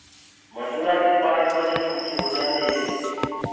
مجورآنٚ ڪيٚ پآنٚچ بجي ڇُوٽيٚ هوجآنٚديٚ هي